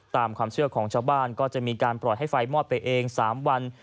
ตามความเชื่อของชาวบ้านก็จะมีการปล่อยให้ไฟมอดไปเอง๓วัน